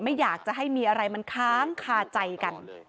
ไม่อยากจะให้มีอะไรมันค้างคาใจกัน